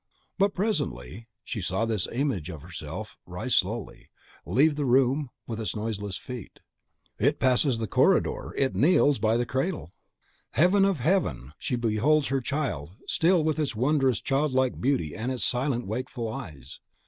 But presently she saw this image of herself rise slowly, leave the room with its noiseless feet: it passes the corridor, it kneels by a cradle! Heaven of Heaven! She beholds her child! still with its wondrous, child like beauty and its silent, wakeful eyes.